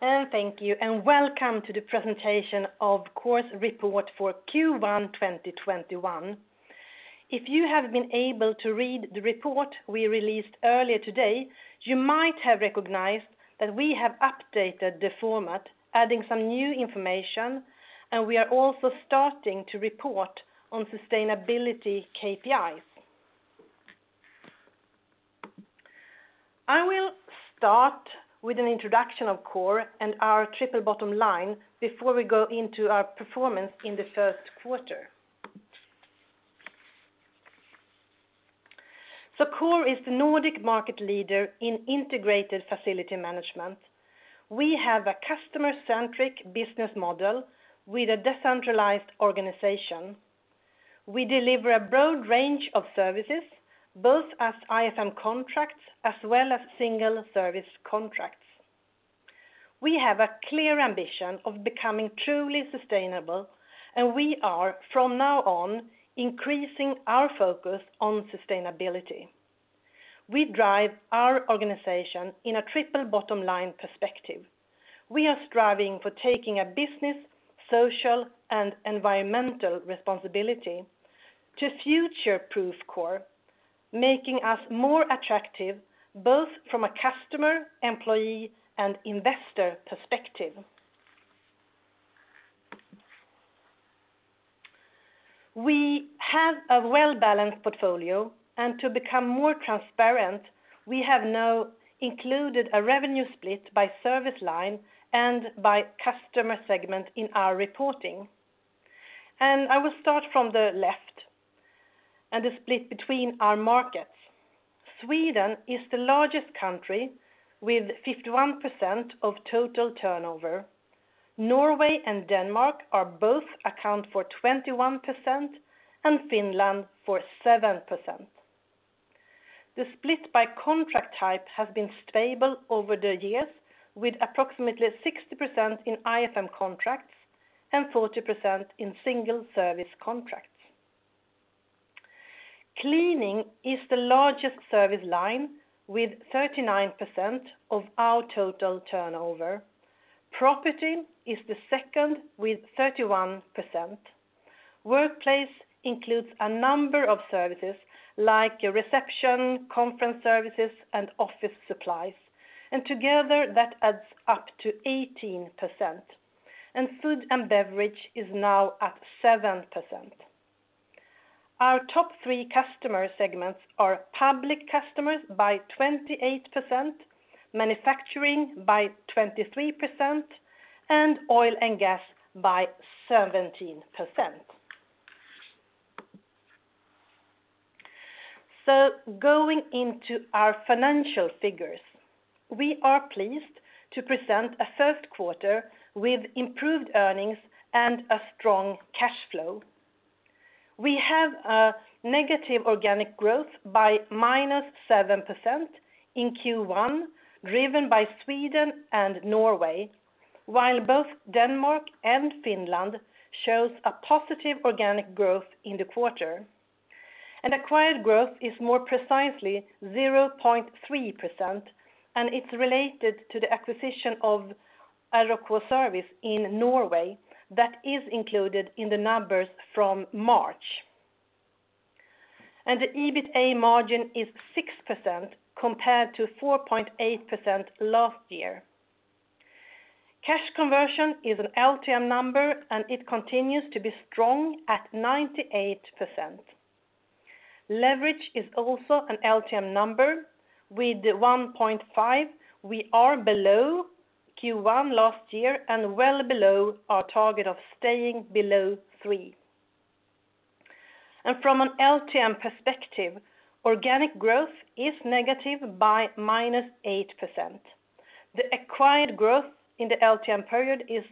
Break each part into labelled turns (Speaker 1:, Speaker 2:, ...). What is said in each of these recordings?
Speaker 1: Thank you, and welcome to the presentation of Coor's report for Q1 2021. If you have been able to read the report we released earlier today, you might have recognized that we have updated the format, adding some new information, and we are also starting to report on sustainability KPIs. I will start with an introduction of Coor and our triple bottom line before we go into our performance in the first quarter. Coor is the Nordic market leader in integrated facility management. We have a customer-centric business model with a decentralized organization. We deliver a broad range of services, both as IFM contracts as well as single service contracts. We have a clear ambition of becoming truly sustainable, and we are, from now on, increasing our focus on sustainability. We drive our organization in a triple bottom line perspective. We are striving for taking a business, social, and environmental responsibility to future-proof Coor, making us more attractive both from a customer, employee, and investor perspective. We have a well-balanced portfolio, and to become more transparent, we have now included a revenue split by service line and by customer segment in our reporting. I will start from the left and the split between our markets. Sweden is the largest country with 51% of total turnover. Norway and Denmark both account for 21%, and Finland for 7%. The split by contract type has been stable over the years, with approximately 60% in IFM contracts and 40% in single service contracts. Cleaning is the largest service line, with 39% of our total turnover. Property is the second, with 31%. Workplace includes a number of services like reception, conference services, and office supplies, and together, that adds up to 18%. Food and beverage is now at 7%. Our top three customer segments are public customers by 28%, manufacturing by 23%, and oil and gas by 17%. Going into our financial figures, we are pleased to present a first quarter with improved earnings and a strong cash flow. We have a negative organic growth by -7% in Q1, driven by Sweden and Norway, while Denmark and Finland show a positive organic growth in the quarter. Acquired growth is more precisely 0.3%, and it is related to the acquisition of R & K Service AS in Norway that is included in the numbers from March. The EBITA margin is 6% compared to 4.8% last year. Cash conversion is an LTM number, and it continues to be strong at 98%. Leverage is also an LTM number. With 1.5, we are below Q1 last year and well below our target of staying below three. From an LTM perspective, organic growth is negative by -8%. The acquired growth in the LTM period is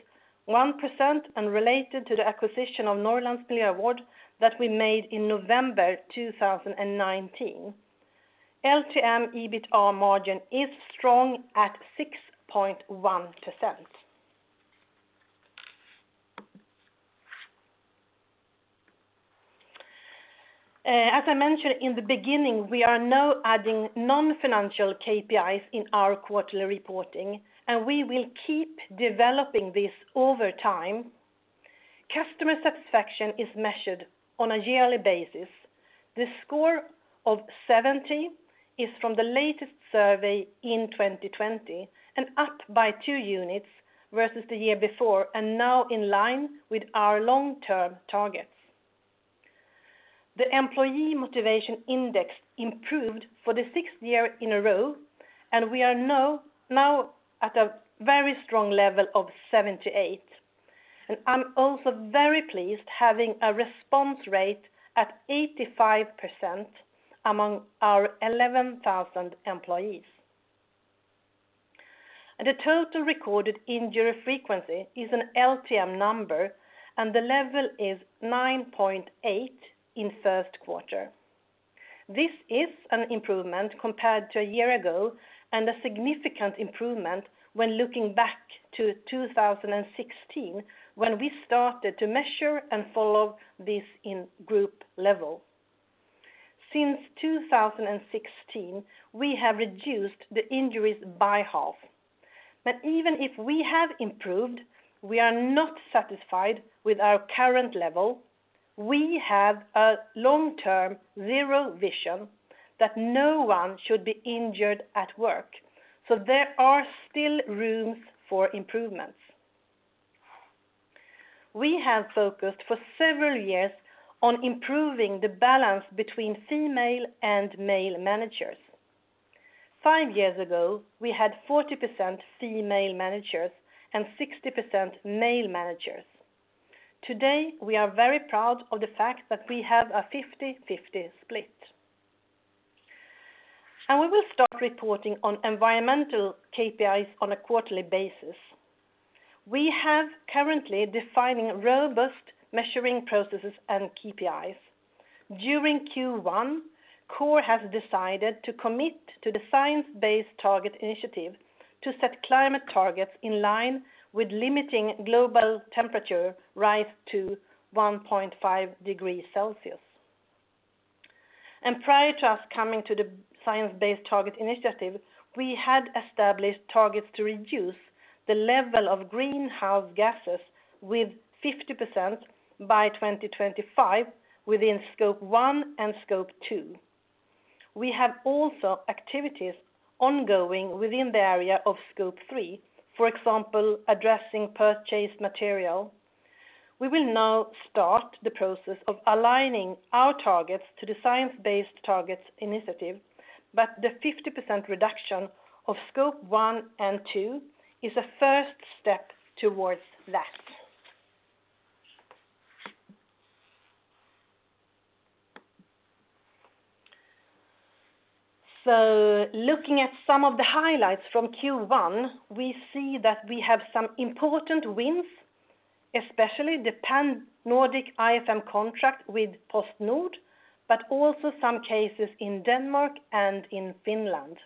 Speaker 1: 1% and related to the acquisition of Norrlands Miljövård AB that we made in November 2019. LTM EBITA margin is strong at 6.1%. As I mentioned in the beginning, we are now adding non-financial KPIs in our quarterly reporting, and we will keep developing this over time. Customer satisfaction is measured on a yearly basis. The score of 70 is from the latest survey in 2020 and up by two units versus the year before and now in line with our long-term targets. The employee motivation index improved for the sixth year in a row, and we are now at a very strong level of 78. I'm also very pleased having a response rate at 85% among our 11,000 employees. The total recorded injury frequency is an LTM number, and the level is 9.8 in first quarter. This is an improvement compared to a year ago and a significant improvement when looking back to 2016 when we started to measure and follow this in group level. Since 2016, we have reduced the injuries by half. Even if we have improved, we are not satisfied with our current level. We have a long-term zero vision that no one should be injured at work, there are still rooms for improvements. We have focused for several years on improving the balance between female and male managers. Five years ago, we had 40% female managers and 60% male managers. Today, we are very proud of the fact that we have a 50/50 split. We will start reporting on environmental KPIs on a quarterly basis. We have currently defining robust measuring processes and KPIs. During Q1, Coor has decided to commit to the Science-Based Targets initiative to set climate targets in line with limiting global temperature rise to 1.5 degree Celsius. Prior to us coming to the Science-Based Targets initiative, we had established targets to reduce the level of greenhouse gases with 50% by 2025 within Scope 1 and Scope 2. We have also activities ongoing within the area of Scope 3, for example, addressing purchased material. We will now start the process of aligning our targets to the Science-Based Targets initiative, the 50% reduction of Scope 1 and 2 is a first step towards that. Looking at some of the highlights from Q1, we see that we have some important wins, especially the Pan-Nordic IFM contract with PostNord, also some cases in Denmark and in Finland.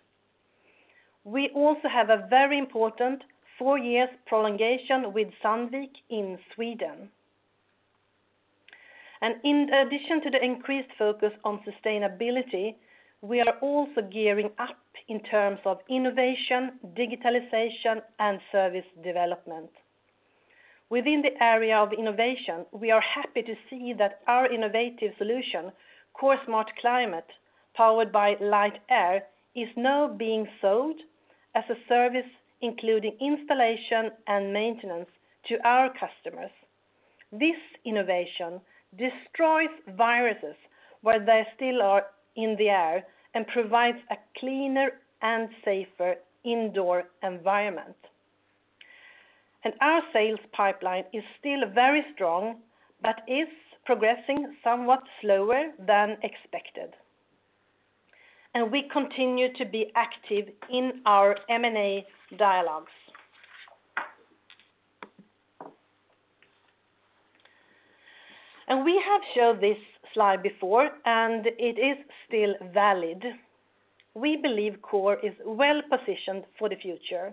Speaker 1: We also have a very important four-year prolongation with Sandvik in Sweden. In addition to the increased focus on sustainability, we are also gearing up in terms of innovation, digitalization, and service development. Within the area of innovation, we are happy to see that our innovative solution, Coor SmartClimate, powered by LightAir, is now being sold as a service including installation and maintenance to our customers. This innovation destroys viruses where they still are in the air and provides a cleaner and safer indoor environment. Our sales pipeline is still very strong, is progressing somewhat slower than expected. We continue to be active in our M&A dialogues. We have showed this slide before, it is still valid. We believe Coor is well-positioned for the future.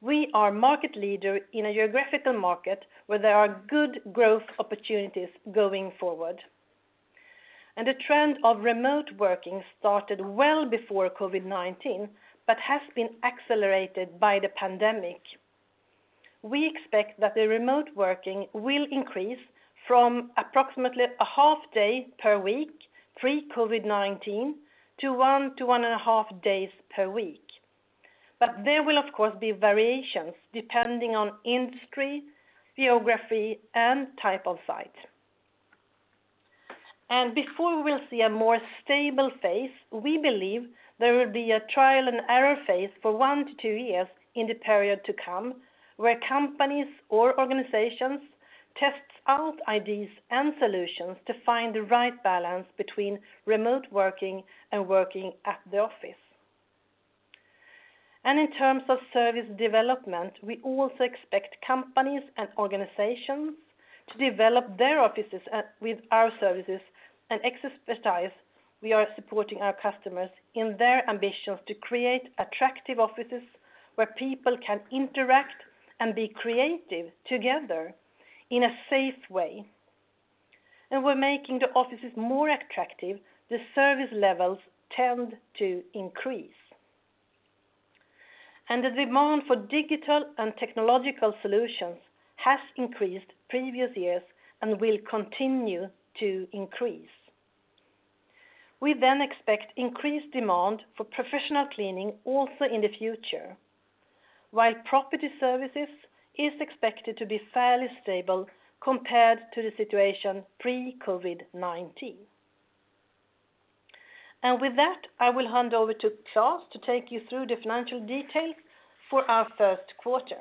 Speaker 1: We are market leader in a geographical market where there are good growth opportunities going forward. The trend of remote working started well before COVID-19, has been accelerated by the pandemic. We expect that the remote working will increase from approximately a half day per week pre-COVID-19 to one to one and a half days per week. There will, of course, be variations depending on industry, geography, and type of site. Before we'll see a more stable phase, we believe there will be a trial-and-error phase for one to two years in the period to come, where companies or organizations tests out ideas and solutions to find the right balance between remote working and working at the office. In terms of service development, we also expect companies and organizations to develop their offices with our services and expertise. We are supporting our customers in their ambitions to create attractive offices where people can interact and be creative together in a safe way. We're making the offices more attractive, the service levels tend to increase. The demand for digital and technological solutions has increased previous years and will continue to increase. We expect increased demand for professional cleaning also in the future, while property services is expected to be fairly stable compared to the situation pre-COVID-19. With that, I will hand over to Klas to take you through the financial details for our first quarter.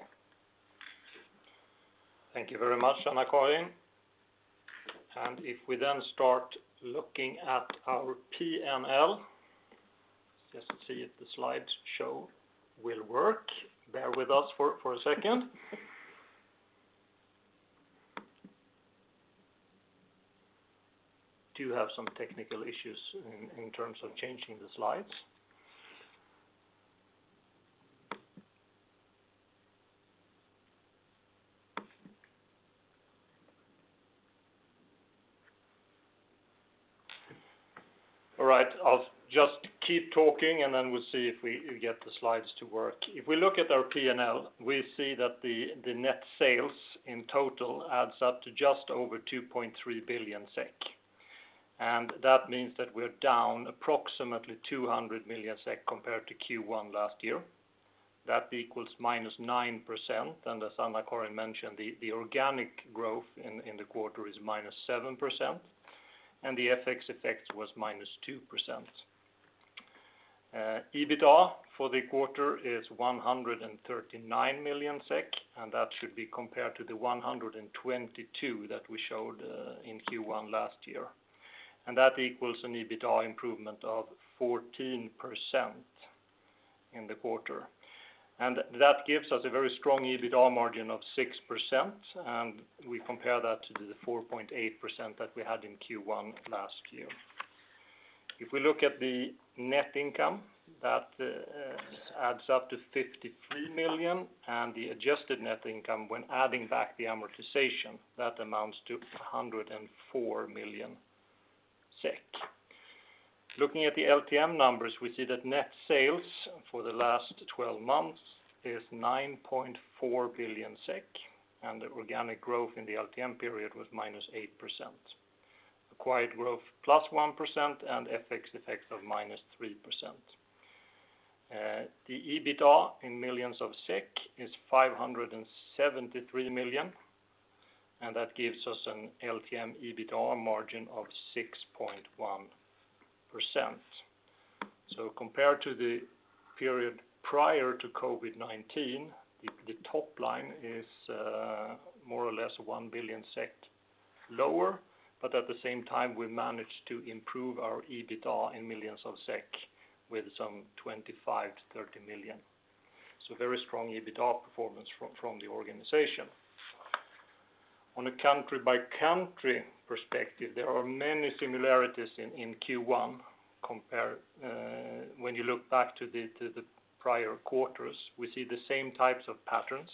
Speaker 2: Thank you very much, AnnaCarin. If we start looking at our P&L, just see if the slide show will work. Bear with us for a second. Do have some technical issues in terms of changing the slides. All right. I'll just keep talking, we'll see if we get the slides to work. If we look at our P&L, we see that the net sales in total adds up to just over 2.3 billion SEK. That means that we're down approximately 200 million SEK compared to Q1 last year. That equals minus 9%. As AnnaCarin mentioned, the organic growth in the quarter is minus 7%, and the FX effect was minus 2%. EBITDA for the quarter is 139 million SEK, and that should be compared to the 122 that we showed in Q1 last year. That equals an EBITDA improvement of 14% in the quarter. That gives us a very strong EBITDA margin of 6%, and we compare that to the 4.8% that we had in Q1 last year. If we look at the net income, that adds up to 53 million, and the adjusted net income when adding back the amortization, that amounts to 104 million SEK. Looking at the LTM numbers, we see that net sales for the last 12 months is 9.4 billion SEK, and the organic growth in the LTM period was minus 8%. Acquired growth plus 1% and FX effect of minus 3%. The EBITDA in millions of SEK is 573 million, and that gives us an LTM EBITDA margin of 6.1%. Compared to the period prior to COVID-19, the top line is more or less 1 billion lower, but at the same time, we managed to improve our EBITDA in millions of SEK with some 25 million to 30 million. Very strong EBITDA performance from the organization. On a country-by-country perspective, there are many similarities in Q1 when you look back to the prior quarters. We see the same types of patterns.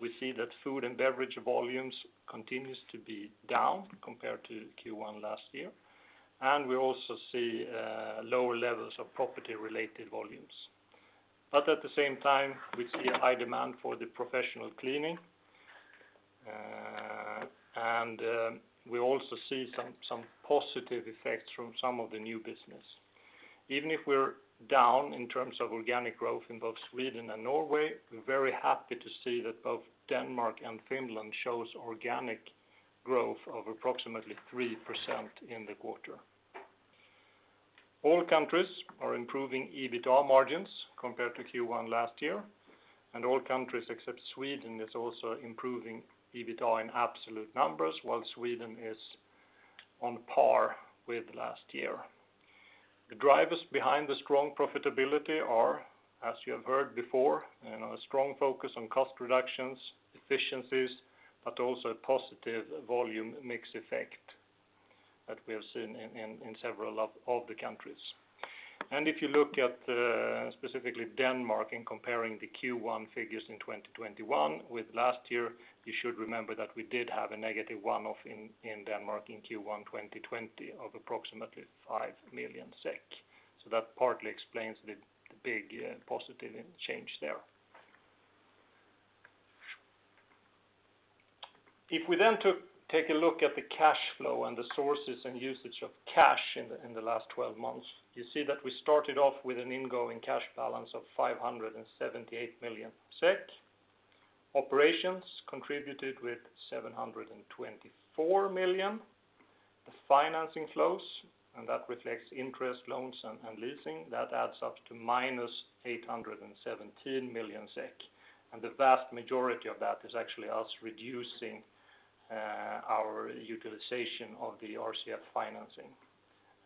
Speaker 2: We see that food and beverage volumes continues to be down compared to Q1 last year. We also see lower levels of property-related volumes. At the same time, we see a high demand for the professional cleaning, and we also see some positive effects from some of the new business. Even if we're down in terms of organic growth in both Sweden and Norway, we're very happy to see that both Denmark and Finland shows organic growth of approximately 3% in the quarter. All countries are improving EBITDA margins compared to Q1 last year, and all countries except Sweden is also improving EBITDA in absolute numbers, while Sweden is on par with last year. The drivers behind the strong profitability are, as you have heard before, a strong focus on cost reductions, efficiencies, but also a positive volume mix effect that we have seen in several of the countries. If you look at specifically Denmark in comparing the Q1 figures in 2021 with last year, you should remember that we did have a negative one-off in Denmark in Q1 2020 of approximately 5 million SEK. That partly explains the big positive change there. If we take a look at the cash flow and the sources and usage of cash in the last 12 months, you see that we started off with an ingoing cash balance of 578 million SEK. Operations contributed with 724 million. The financing flows, and that reflects interest loans and leasing, that adds up to minus 817 million SEK. The vast majority of that is actually us reducing our utilization of the RCF financing,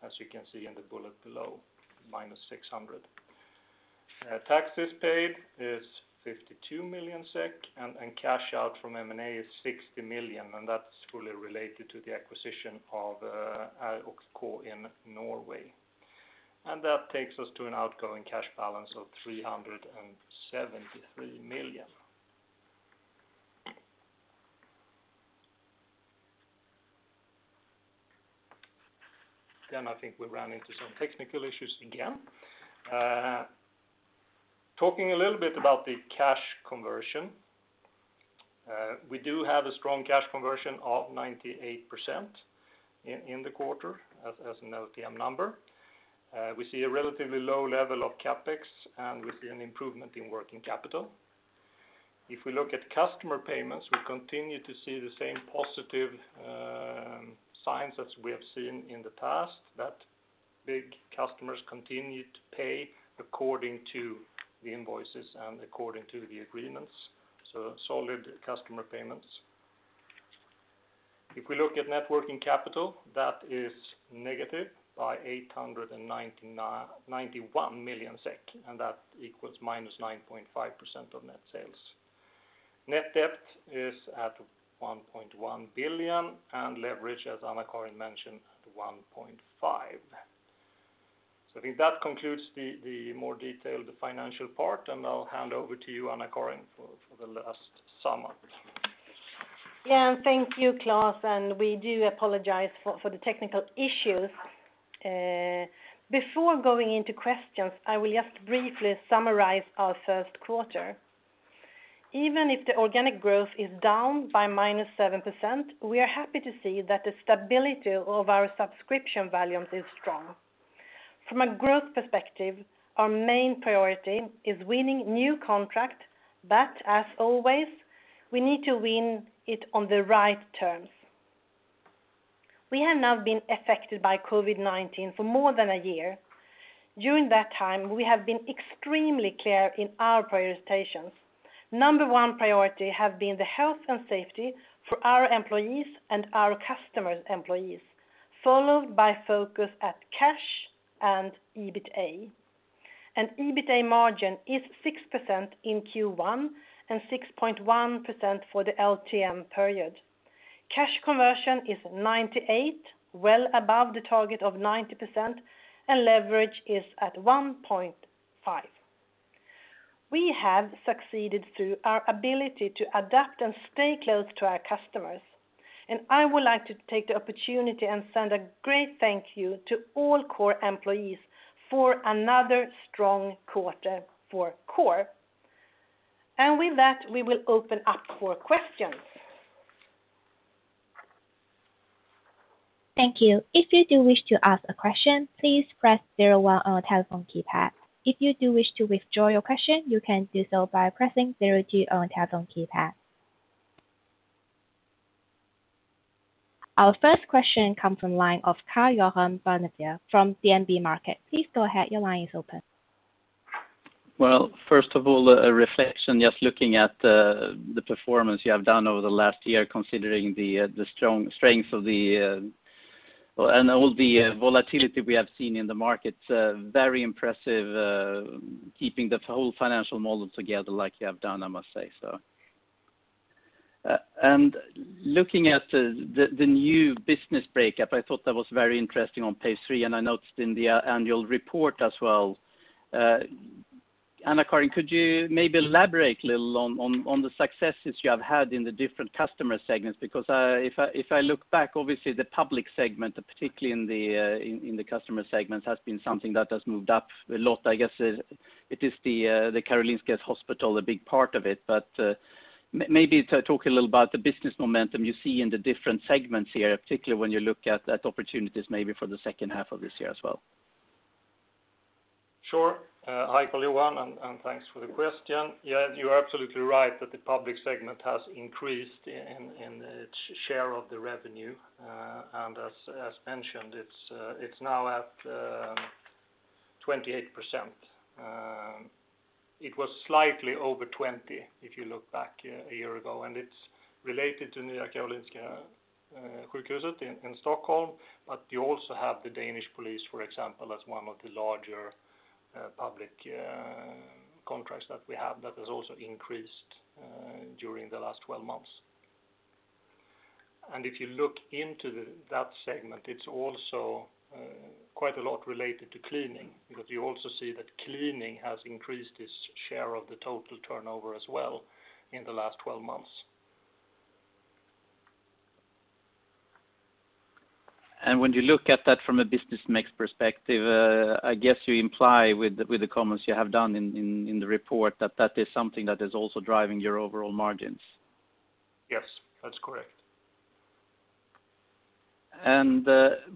Speaker 2: as you can see in the bullet below, minus 600. Taxes paid is 52 million SEK. Cash out from M&A is 60 million, and that's fully related to the acquisition of Air & Co in Norway. That takes us to an outgoing cash balance of 373 million. I think we ran into some technical issues again. Talking a little bit about the cash conversion. We do have a strong cash conversion of 98% in the quarter as an LTM number. We see a relatively low level of CapEx, and we see an improvement in working capital. If we look at customer payments, we continue to see the same positive signs as we have seen in the past, that big customers continue to pay according to the invoices and according to the agreements. Solid customer payments. If we look at net working capital, that is negative by 891 million SEK, and that equals minus 9.5% of net sales. Net debt is at 1.1 billion, and leverage, as Anna-Carin mentioned, at 1.5. I think that concludes the more detailed financial part, and I'll hand over to you, Anna-Carin, for the last summary.
Speaker 1: Thank you, Klas, and we do apologize for the technical issues. Before going into questions, I will just briefly summarize our first quarter. Even if the organic growth is down by minus 7%, we are happy to see that the stability of our subscription volumes is strong. From a growth perspective, our main priority is winning new contract, but as always, we need to win it on the right terms. We have now been affected by COVID-19 for more than a year. During that time, we have been extremely clear in our prioritizations. Number one priority have been the health and safety for our employees and our customers' employees, followed by focus at cash and EBITDA. EBITDA margin is 6% in Q1 and 6.1% for the LTM period. Cash conversion is 98%, well above the target of 90%, and leverage is at 1.5. We have succeeded through our ability to adapt and stay close to our customers. I would like to take the opportunity and send a great thank you to all Coor employees for another strong quarter for Coor. With that, we will open up for questions.
Speaker 3: Thank you. If you do wish to ask a question, please press zero one on your telephone keypad. If you do wish to withdraw your question, you can do so by pressing zero two on your telephone keypad. Our first question comes from line of Karl-Johan Bonnevier from DNB Markets. Please go ahead. Your line is open.
Speaker 4: Well, first of all, a reflection, just looking at the performance you have done over the last year, considering the strength and all the volatility we have seen in the market. Very impressive keeping the whole financial model together like you have done, I must say so. Looking at the new business breakup, I thought that was very interesting on page three, and I noticed in the annual report as well. AnnaCarin, could you maybe elaborate a little on the successes you have had in the different customer segments? Because if I look back, obviously the public segment, particularly in the customer segments, has been something that has moved up a lot. I guess it is the Karolinska Hospital, a big part of it. Maybe talk a little about the business momentum you see in the different segments here, particularly when you look at opportunities maybe for the second half of this year as well.
Speaker 2: Sure. Hi, Karl-Johan, thanks for the question. You are absolutely right that the public segment has increased in its share of the revenue. As mentioned, it is now at 28%. It was slightly over 20 if you look back a year ago, and it is related to the Karolinska University Hospital in Stockholm. You also have the Danish Police, for example, as one of the larger public contracts that we have that has also increased during the last 12 months. If you look into that segment, it is also quite a lot related to cleaning, because you also see that cleaning has increased its share of the total turnover as well in the last 12 months.
Speaker 4: When you look at that from a business mix perspective, I guess you imply with the comments you have done in the report that that is something that is also driving your overall margins.
Speaker 2: Yes, that is correct.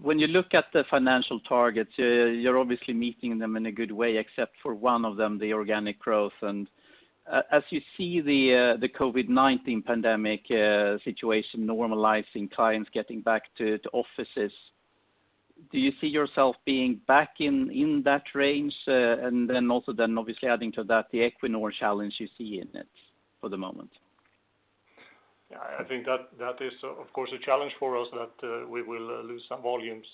Speaker 4: When you look at the financial targets, you are obviously meeting them in a good way, except for one of them, the organic growth. As you see the COVID-19 pandemic situation normalizing, clients getting back to offices, do you see yourself being back in that range? Then also obviously adding to that the Equinor challenge you see in it for the moment?
Speaker 2: Yeah, I think that is, of course, a challenge for us that we will lose some volumes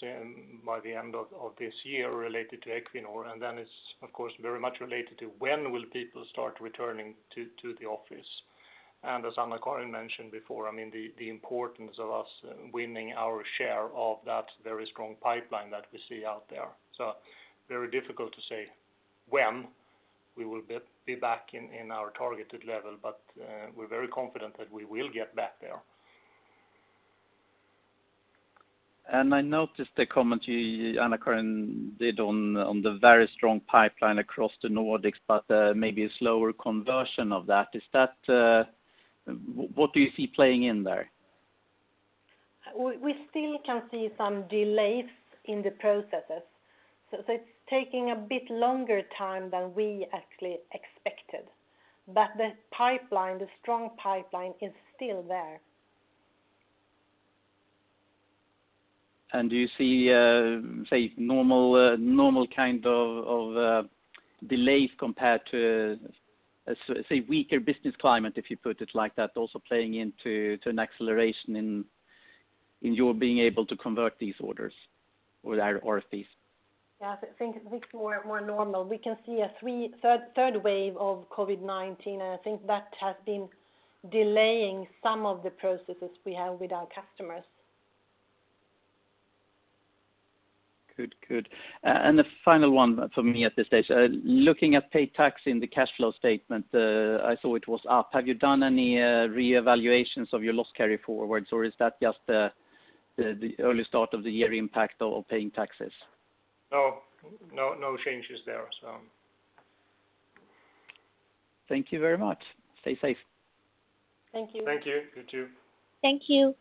Speaker 2: by the end of this year related to Equinor. It's, of course, very much related to when will people start returning to the office. As AnnaCarin mentioned before, the importance of us winning our share of that very strong pipeline that we see out there. Very difficult to say when we will be back in our targeted level, but we're very confident that we will get back there.
Speaker 4: I noticed the comment you, AnnaCarin, did on the very strong pipeline across the Nordics, but maybe a slower conversion of that. What do you see playing in there?
Speaker 1: We still can see some delays in the processes. It's taking a bit longer time than we actually expected. The pipeline, the strong pipeline, is still there.
Speaker 4: Do you see normal kind of delays compared to, say, weaker business climate, if you put it like that, also playing into an acceleration in your being able to convert these orders or these?
Speaker 1: Yeah, I think it's more normal. We can see a third wave of COVID-19. I think that has been delaying some of the processes we have with our customers.
Speaker 4: Good. The final one for me at this stage. Looking at paid tax in the cash flow statement, I saw it was up. Have you done any reevaluations of your loss carry forwards, or is that just the early start of the year impact of paying taxes?
Speaker 2: No. No changes there.
Speaker 4: Thank you very much. Stay safe.
Speaker 1: Thank you.
Speaker 2: Thank you. You too.
Speaker 3: Thank you.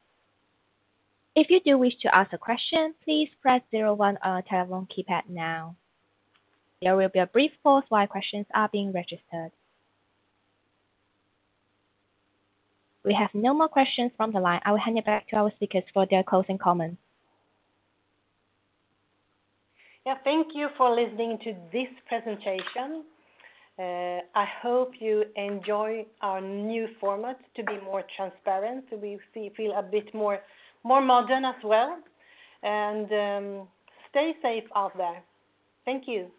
Speaker 3: If you do wish to ask a question, please press 01 on your telephone keypad now. There will be a brief pause while questions are being registered. We have no more questions from the line. I will hand it back to our speakers for their closing comments.
Speaker 1: Thank you for listening to this presentation. I hope you enjoy our new format to be more transparent. We feel a bit more modern as well. Stay safe out there. Thank you.